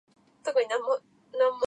「何でこんなキツいんすかねぇ～も～…」